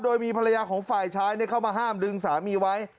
โดยมีภรรยาของฝ่ายชายเข้ามาห้ามดึงสามีไว้